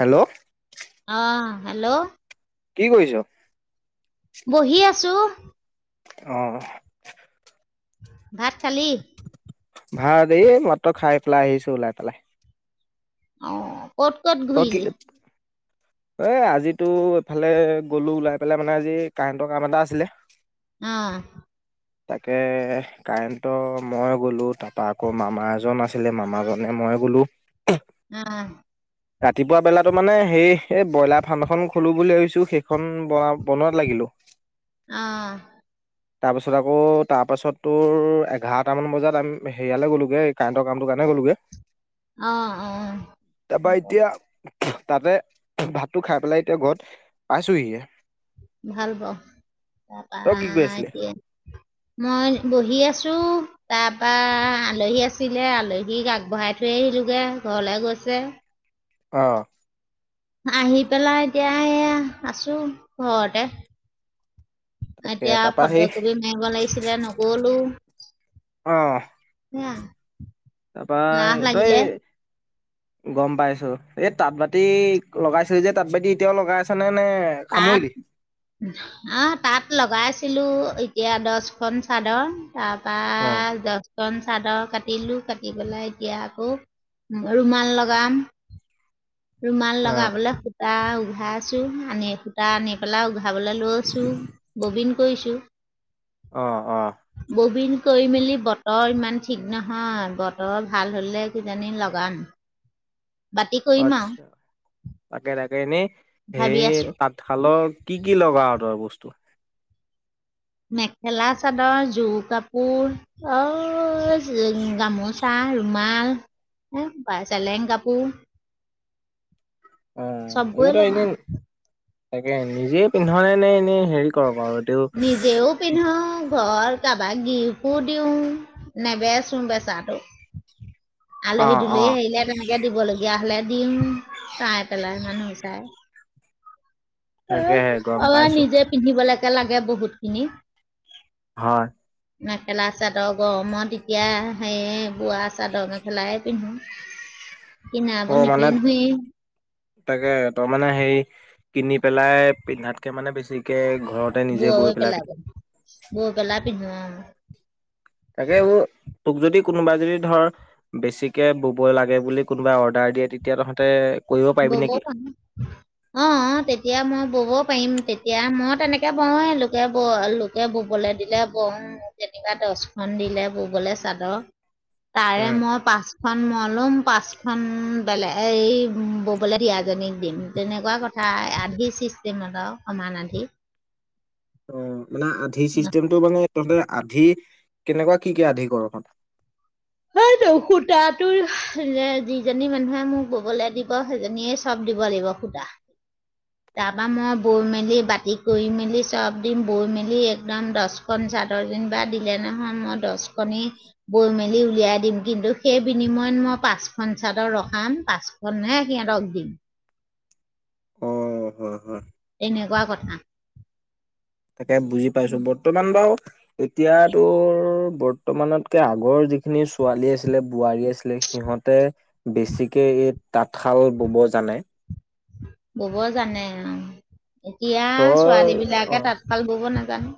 Hello অহ hello কি কৰিছ বহি আছো অ ভাত খালি ভাত এইমাত্র খাই পেলাই আহিছো ওলাই পেলাই অ ক'ত ক'ত তই কি ঘূৰিলি এ আজিতো এইফালে গলো ওলাই পেলাই মানে আজি কাৰেণ্টৰ কাম এটা আছিলে উম [unintelligible] তাকে কাৰেণ্টো মই গ'লোঁ তাৰপা আকৌ মামা এজন আছিলে মামাজনে মই গ'লো [unintelligible] উম ৰাতিপুৱা বেলাতো মানে সেই এই ব্ৰইলাৰ ফাৰ্ম এখন খোলো বুলি ভাবিছোঁ সেইখন বনোৱাত লাগিলো অ তাৰপাছত আকৌ তাৰপাছত তোৰ এঘাৰটামান বজাত আমি হেৰিয়ালৈ গ'লোগৈ কাৰেণ্টৰ কামটোৰ কাৰণে গ'লোঁগৈ [unintelligible] অ অ তাৰপা এতিয়া তাতে ভাতটো খাই পেলাই এতিয়া ঘৰত পাইছোহি ভাল পাওঁ তাৰপৰা কি কৰি আছিলি? এতিয়া মই বহি আছো। তাৰপা আলহী আছিলে আলহীক আগবঢ়াই থৈ আহিলোগে ঘৰলে গৈছে। আহ। আহি পেলাই এতিয়া আছো ঘৰতে। তাকে এতিয়া তাৰপা সেই ফটো কপি মাৰিব লাগিছিলে নগলো। আহ। উম। তাৰপৰা তই। গম পাইছো এই তাঁত বাতি লগাইছিলি যে তাঁত বাতি এতিয়াও লগাই আছে নে? নে তাঁত সামৰিলি? আহ তা‍ঁত লগাইছো। ছিলোঁ এতিয়া দহখন চাদৰ। তাৰ অ', পৰা এখন চাদৰ কাটিলো, কাটি পেলাই এতিয়া আকৌ ৰুমাল লগাম। ৰুমাল অ', লগাবলে সূতা উঘা। আছো আনি সূতা আনি পেলাইও গ' খাবলৈ লৈছোঁ ববিন। কৈছো। আহ আহ। ববীন, কৰি মেলি বতৰ ইমান ঠিক নহয় বতৰ ভাল হ'লে কিজানি লগাম। বাতি কৰিম আও। আচ্ছা তাকে তাকে এনেই। সেই আছোঁ তাঁতশালত। কি কি লগা তই বস্তু। মেখেলা চাদৰ, জোৰ কাপোৰ অ। অ, চেলেং। গামোচা, ৰুমাল হ বা চেলেং কাপোৰ। অ', চবে হ এইবোৰ তই এনে লগাম [unintelligible] তাকে, নিজে পিন্ধ নে, নে এনেই হেৰি কৰ। বাৰু এইটো নিজেও কি পিন্ধো ঘৰ। কাৰাবাক কো দিওঁ নেবেচো বেচাটো। [unintelligible] আলহী অ', দুলহী অ', আহিলে তেনেকে দিবলগীয়া হ'লে। দিম চাই পেলাই মানুহ চাই। তাকেহে গম আৰু আৰু পাইছো নিজে পিন্ধিব লাগে। লগে বহুত খিনি। হয়। মেখেলা চাদৰ গৰমত এতিয়া, সেয়ে বোৱা চাদৰ মেখেলাই পিন্ধো। কিনাবোৰ অ' মানে নিপিন্ধোৱেই তাকে তাৰমানে হেই কিনি পেলাই পিন্ধাতকে মানে, বেছিকে ঘৰতে নিজে বৈ পেলাই পিলাই, বৈ পলাই [unintelligible] তাকে, তোক যদি কোনোবাই যদি ধৰ, বেছিকে ব'বই লাগে বুলি কোনোবাই অৰ্ডাৰ দিয়ে। তেতিয়া তহঁতে কৰিব পাৰিবি ব'ব নেকি? পা [unintelligible] অ'অ' তেতিয়া মই ব'ব পাৰিম, তেতিয়া মই তেনেকে বওঁৱে লোকে, লোকে ববলে দিলে বওঁ, তেনেকুৱা দশখন দিলে ব'বলে চাদৰ। তাৰে উম। মই পাঁচ খন‌ মান লম পাঁচখন বেলে [unintelligible] ব'বলে দিয়াজনীক দিম, তেনেকুৱা কথা, আধি চিষ্টেমত আৰু সমান আধি। অ'! মানে, আধি চিষ্টেমটো মানে? তহঁতে আধি, কেনেকুৱা? কি, কি আধি ক'ৰ মা সেইটো, সূতাটো যিজনী মানুহে, মোক ব'বলে দিব সেইজনীয়ে চব দিব লাগিব সূতা। তাৰপা মই, বৈ মেলি বাতি কৰি মেলি, চব দিম বৈ মেলি, একদম দহখন চাদৰ যেনিবা দিলে নহয়, মই দহখনি বৈ মেলি উলিয়াই দিম। কিন্তু, সেই বিনিময়ত মই পাঁচখন চাদৰ ৰখাম, পাঁচখন নেৰাখি সিহঁতক দিম। অ হয় হয় এনেকুৱা কথা! তাকে, বুজি পাইছো বৰ্তমান বাৰু এতিয়াতো, বৰ্তমানতকে আগৰ যিখিনি ছোৱালী আছিলে, বোৱাৰী আছিলে সিহঁতে বেছিকে [unintelligible] তাঁতশাল ব'ব জানে? ব'ব জানে অ'। এতিয়া তই ছোৱালী অ বিলাকে তাঁতশাল ব'ব না জানো।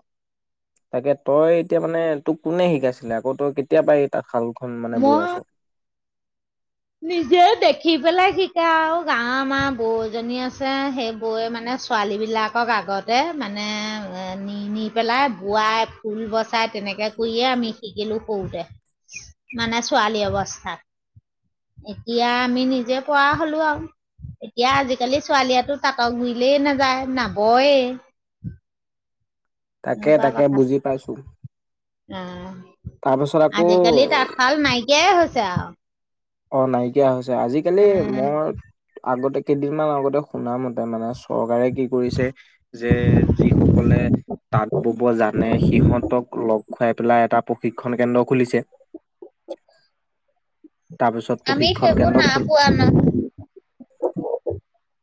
তাকে, তই এতিয়া মানে, তোক কোনে শিকাইছিলে। আকৌ, তই কেতিয়াপা তাতঁশাল খ কোন মানে বয় আছ? নিজে দেখি পেলাই শিকা আৰু গাঁৱৰ আমাৰ বৌ এজনী আছে। সেই, বৌৱে মানে ছোৱালী বিলাকক আগতে মানে, নি পেলাই বোৱাই ফুল বচাই। তেনেকে কৰিয়ে, আমি শিকিলোঁ। সৰুতে, মানে ছোৱালী অৱস্থাত। এতিয়া আমি নিজে পৰা হলো আৰু এতিয়া আজিকালি ছোৱালীয়েটো তাঁত' গুৰিলেই নাযায়, নবয়ে। তাকে তাকে কথা বুজি পাইছোঁ। আহ, আজিকালি তাঁতশাল নাইকিয়াই হৈছে আৰু। অ' নাইকিয়া হৈছে। আজিকালি উম, মই আগতে কেইদিনমান আগতে শুনা মতে মানে চৰকাৰে কি কৰিছে যে যি সকলে তাঁত বব জানে সিহঁতক লগ খুৱাই পেলাই এটা প্ৰশিক্ষন কেন্দ্ৰ খুলিছে। তাৰপিছত আমি প্ৰশিক্ষণ সেইবোৰ কেন্দ্ৰ না খোল পোৱা ন?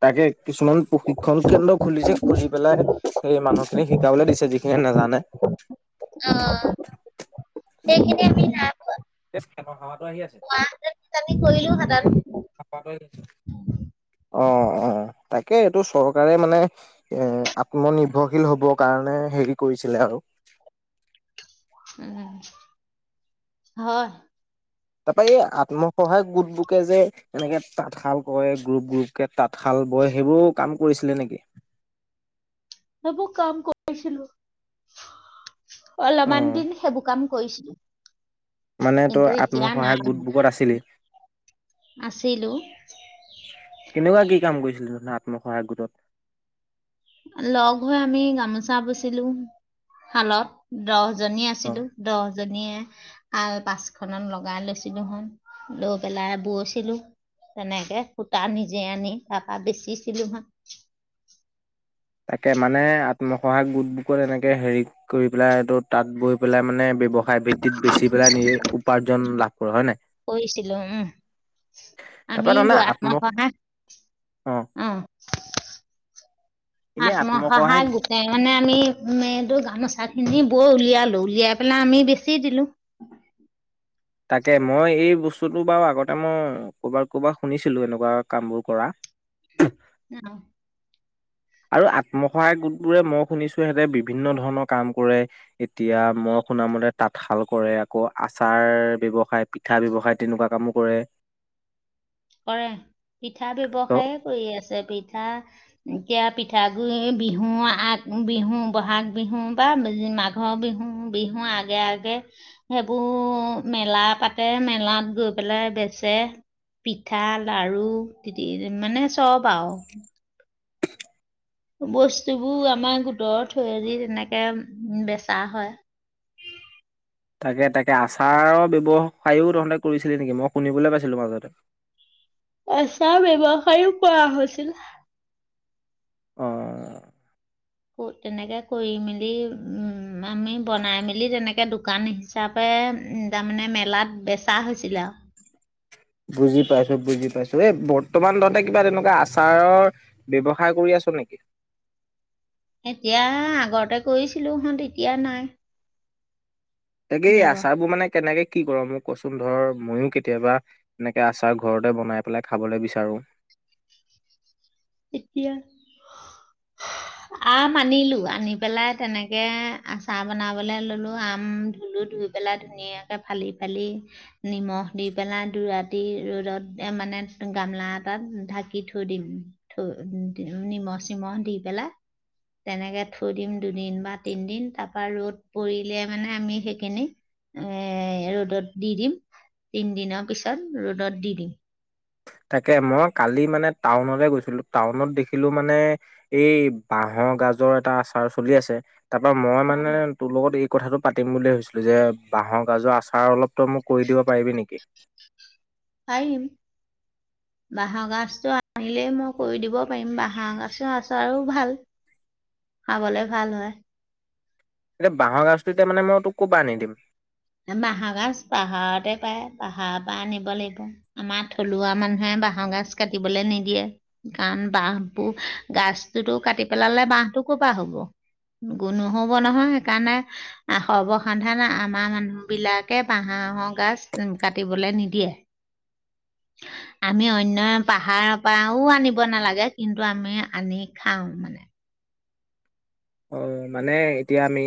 তাকে কিছুমান প্ৰশিক্ষণ কেন্দ্ৰ খুলিছে খুলি পেলাই সেই মানুহ খিনি শিকাবলৈ দিছে যিখিনিয়ি নাজানে। অ সেইখিনি এ মেইন আ খ হাৱাটো আহি আছে আমি কৰিলো হেতেন। হাৱ আহ অ অ।। তাকে এইটো চৰকাৰে মানে এ আত্মনিৰ্ভৰশীল হ'ব কাৰণে হেৰি কৰিছিলে আৰু উম হয়। তাৰপৰা এই আত্মসহায়ক গোট বুকে যে এনেকে তাঁতশাল কৰে গ্ৰুপ গ্ৰুপকে তাঁতশাল বয় সেইবোৰ কাম কৰিছিলে নেকি? সেইবোৰ কাম কৰিছিলো। অ অলমান দিন সেইবোৰ কাম কৰিছিলো। মানে তোৰ কিন্তু এতিয়া আত্মসহায়ক নাই, গোট বুকত আছিলি আছিলো। কেনেকুৱা কি কাম কৰিছিলো ধোন আত্মসহায় গোটত লগ হৈ আমি গামোচা পুচিলো শালত দহ জনী অ আছিলো দহ জনীয়ে আল পাঁচখনত লগাই লৈছিলো হন লৈ পেলাই বৈছিলো তেনেকে সূতা নিজে আনি তাৰপা বেচিছিলো। তাকে মানে আত্মসহায়ক গোত এনেকে হেৰি কৰি নাই এইটো তাত গৈ পেলাই মানে বয়ৱসায় ভিত্তিত বেচি পেলাই নিজ উপাৰ্জন ল হয় নাই। কৰিছিলো উম তাৰপৰা আমি তাৰমানে গৈ আত্ম আত্মসহায় অ। এনেই আত্মসহায়ক আত্মসহায় গোটাই মানে আমি এইটো গানোচা খিনি বৰ উলিয়ালো উলিয়াই পেলাই আমি বেচি দিলো তাকে মই এই বস্তুটো বাৰু আগতে মই ক'ৰবাত ক'বাত শুনিছিলো এনেকুৱা কামবোৰ কৰা উম। আৰু আত্মসহায়ক গোট বোৰে মই শুনিছো সিহঁতে বিভিন্ন ধৰণৰ কাম কৰে। এতিয়া মই শুনামতে তাঁতশাল কৰে আকৌ আচাৰ ব্যৱসায় পিঠা ব্যৱসায় তেনেকুৱা কামো কৰে কৰে পিঠা ত ব্যৱসায়ে কৰি আছে পিঠা এতিয়া পিঠাগুৰি বিহু আগ বিহু বহাগ বিহু বা মাঘৰ বিহু বিহুৰ আগে আগে সেইবোৰ মেলা পাতে মেলাত গৈ পেলাই বেচে। পিঠা লাৰু মানে চব আৰু বস্তুবোৰ আমাৰ গোটৰ থৈৰি তেনেকে বেচা হয়। তাকে তাকে আচাৰৰ ব্যৱসায়ও তহঁতে কৰিছিলি নেকি মই শুনিবলৈ পাইছিলো মাজতে এচা ব্যৱসায়ো কৰা হৈছিল আহ তেনেকে কৰি মেলি আমি বনাই মেলি তেনেকে দোকান হিচাপে তাৰমানে মেলাত বেচা হৈছিলে আৰু বুজি পাইছো বুজি পাইছো এই বৰ্তমান তহতে কিবা তেনেকুৱা আচাৰৰ ব্যৱসায় কৰি আছ নেকি? এতিয়া আগতে কৰিছিলো হ এতিয়া নাই তাকে ব্যৱসায় আচাৰ বোৰ মানে কেনেকে কি কৰ মোক কচোন ধৰ ময়ো কেতিয়াবা এনেকে আচাৰ ঘৰতে বনাই পেলাই খাবলৈ বিচাৰো। এতিয়া আম আনিলো আনি পেলাই তেনেকে আচাৰ বনাবলে ললো আম ধুলো ধুই পেলাই ধুনীয়াকে ফালি ফালি নিমখ দি পেলাই দু ৰাতি ৰ'দত মানে গামলা এটাত ঢাকি থৈ দিম। থ নিমখ চিমখ দি পেলাই তেনেকে থৈ দিম দুদিন বা তিনিদিন তাৰ পৰাা ৰ'দ পৰিলে মানে আমি সেইখিনি এ ৰ'দত দি দিম তিনিদিনৰ পিছত ৰ'দত দি দিম তাকে মই কালি মানে টাউনলে গৈছিলো টাউনত দেখিলো মানে এই বাহৰ গাজৰ এটা আচাৰ চলি আছে। তাৰ পৰা মই মানে তোৰ লগত এই কথাটো পাতিম বুলিয়ে ভাবিছিলো যে বাঁহৰ গাজৰ আচাৰ অলপ তই মোক কৰি দিব পাৰিবি নেকি? পাৰিম বাঁহগাজটো আনিলেই মই কৰি দিব পাৰিম বাঁহ বাঁহগাজৰ আচাৰো ভাল। খাবলৈ ভাল হয়। এ', বাঁহৰ গাজটো, এতিয়া মানে মই তোক কৰপা আনি দিম। বাঁহৰ গাজ পাহাৰতে পায়, পাহাৰৰ পৰা আনিব লাগিব। আমাৰ থলুৱা মানুহে বাঁহৰ গাজ কাটিবলৈ নিদিয়ে, কাৰণ বাঁহবোৰ গাজটোতো কাটি পেলালে বাঁহটো ক' পৰা হ'ব নো নহব নহয় সেইকাৰণে সৰ্বসাধাৰণ আমাৰ মানুহ মানুহবিলাকে বাঁহৰ গাজ কাটিবলৈ নিদিয়ে আমি অন্য পাহাৰৰ পৰাও আনিব নালাগে কিন্তু আমি আনি খাওঁ মানে? অ', মানে এতিয়া আমি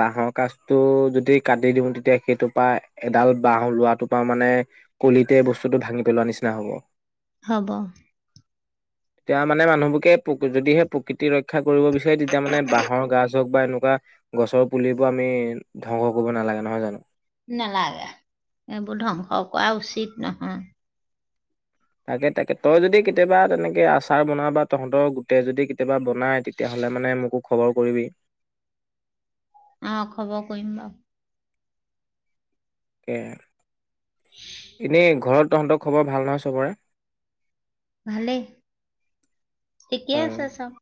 বাঁহৰ গাজটো যদি কাটি দিওঁ তেতিয়া সেইটোৰ পৰা এডাল বাহ লোৱাটোৰ পৰা মানে কলিতে বস্তুটো ভাঙি পেলোৱা নিচিনা হব। হব', তেতিয়া মানে মানুহবোৰকে যদিহে প্ৰকৃতিৰ ৰক্ষা, কৰিব বিচাৰে তেতিয়া মানে বাঁহৰ গাজ বা এনেকুৱা গছৰ পুলিবোৰ আমি ধ্বংস কৰিব নালাগে নহয় জানো, নালাগে এইবোৰ ধ্বংস কৰা উচিত নহয়। তাকে-তাকে তই যদি কেতিয়াবা তেনেকে আচাৰ বনাই বা তহঁতৰ গোটেই যদি কেতিয়াবা বনাই তেতিয়াহ'লে মানে মোকো খবৰ কৰিবি। আহ', খবৰ কৰিম বাৰোঁ এনেই ঘৰত তহঁতৰ খবৰ, ভাল নহয় চবৰে? ভালেই ঠিকে আছে চব।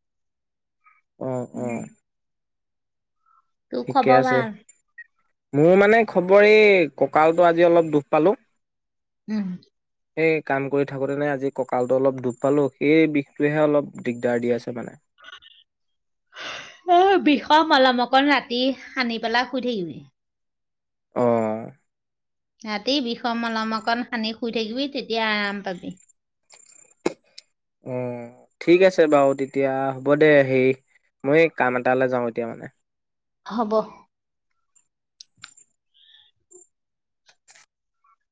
অহ উম, -অহ তোৰ খবৰ ভাল। মোৰ মানে খবৰ এই কঁকালটো আজি অলপ দুখ পালোঁ উম সেই কাম কৰি থাকোতে নে আজি কঁকালটো অলপ দুখ পালো সেই বিষটোৱেহে অলপ দিগদাৰ দি আছে। মানে অ বিষৰ মলম অকন ৰাতি তি সানি পেলাই শুই থাকিবি অহ ৰাতি বিষৰ মলম অকণ সানি শুই থাকিবি তেতিয়া আৰাম পাবি। উম ঠিক আছে বাৰু তেতিয়া হ'ব দে হেই মই কাম এটালৈ যাওঁ এতিয়া মানে হব